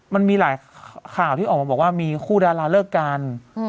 มันมีหลายข่าวที่ออกมาบอกว่ามีคู่ดาราเลิกกัน